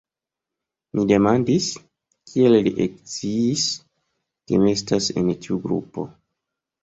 Mi demandis, kiel li eksciis, ke mi estas en tiu grupo.